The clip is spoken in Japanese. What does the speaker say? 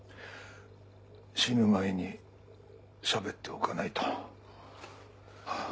死ぬ前にしゃべっておかないと。